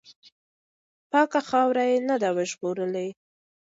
پاکه خاوره یې نه ده وژغورلې.